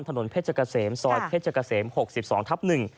ถนนเพชรกะเสมซอยเพชรกะเสม๖๒ทัพ๑